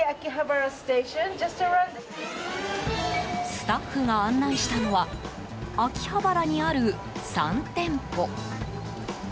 スタッフが案内したのは秋葉原にある３店舗。